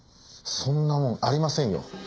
そんなもんありませんよ。